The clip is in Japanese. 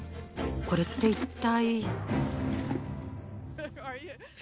これって一体？